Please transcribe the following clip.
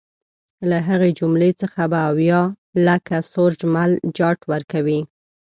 له هغې جملې څخه به اویا لکه سورج مل جاټ ورکوي.